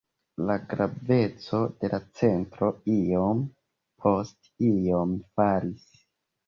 La graveco de la centro iom post iom falis.